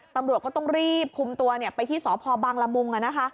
ตำรวจก็ต้องรีบคุมตัวไปที่สพบังละมุง